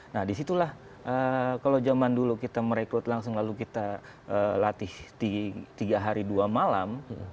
nah disitulah kalau zaman dulu kita merekrut langsung lalu kita latih tiga hari dua malam